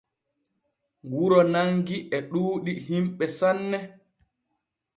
Wuro Nangi e ɗuuɗi himɓe sanne.